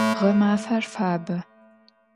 Гъэмафэр фабэ.